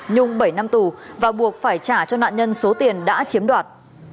nhung bảy năm tù và buộc phải trả cho nạn nhân số tiền đã chiếm đoạt